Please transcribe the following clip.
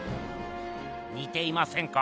にていませんか？